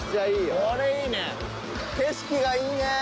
いいね。